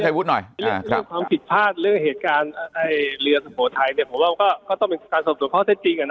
ผมว่าก็ต้องเป็นการสอบสนุนข้อซะจริง